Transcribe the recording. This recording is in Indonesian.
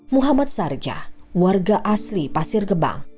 muhammad sarja warga asli pasir gebang